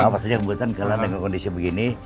nafas saja rebutan karena dengan kondisi begini